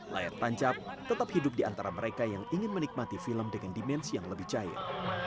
layar tancap tetap hidup di antara mereka yang ingin menikmati film dengan dimensi yang lebih cair